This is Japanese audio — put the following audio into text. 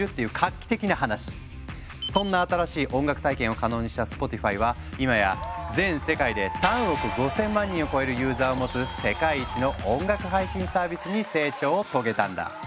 そんな新しい音楽体験を可能にしたスポティファイは今や全世界で３億５，０００万人を超えるユーザーを持つ世界一の音楽配信サービスに成長を遂げたんだ。